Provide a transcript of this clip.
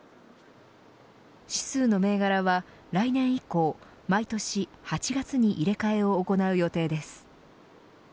指数の銘柄は来年以降毎年８月に入れ替えを行う予定です。